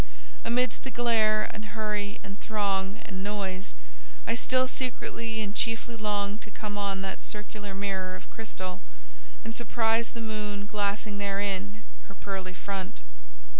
Amidst the glare, and hurry, and throng, and noise, I still secretly and chiefly longed to come on that circular mirror of crystal, and surprise the moon glassing therein her pearly front.